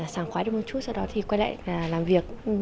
sàng khoái được một chút sau đó thì quay lại làm việc